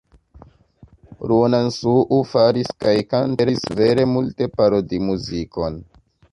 Ruonansuu faris kaj kantis vere multe parodimuzikon.